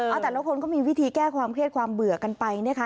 เอาแต่ละคนก็มีวิธีแก้ความเครียดความเบื่อกันไปนะคะ